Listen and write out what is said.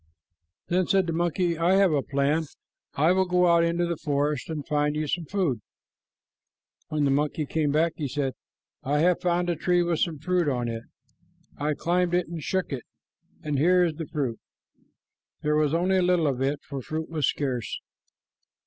Then said the monkey, "I have a plan. I will go out into the forest and find you some food." When the monkey came back, he said, "I found a tree with some fruit on it. I climbed it and shook it, and here is the fruit. There was only a little of it, for fruit was scarce."